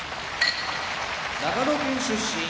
長野県出身